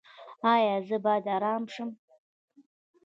ایا زه باید ارام شم؟